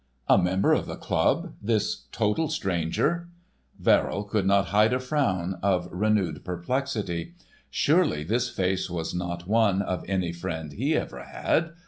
A member of the club, this total stranger! Verrill could not hide a frown of renewed perplexity; surely this face was not one of any friend he ever had.